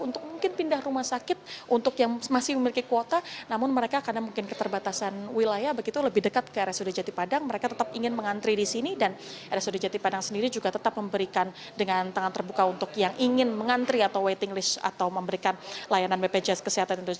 untuk mungkin pindah rumah sakit untuk yang masih memiliki kuota namun mereka karena mungkin keterbatasan wilayah begitu lebih dekat ke rsud jati padang mereka tetap ingin mengantri di sini dan rsud jatipadang sendiri juga tetap memberikan dengan tangan terbuka untuk yang ingin mengantri atau waiting list atau memberikan layanan bpjs kesehatan